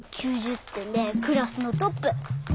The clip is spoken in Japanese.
９０てんでクラスのトップ。